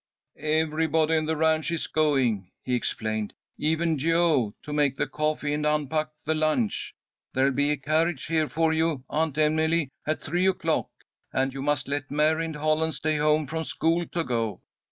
"Everybody on the ranch is going," he explained. "Even Jo, to make the coffee and unpack the lunch. There'll be a carriage here for you, Aunt Emily, at three o'clock, and you must let Mary and Holland stay home from school to go.